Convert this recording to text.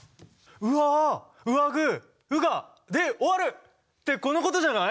「うああ、うあぐ、うが、で終わる」ってこのことじゃない！？